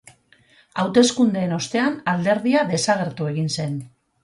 Hauteskundeen ostean alderdia desagertu egin zen.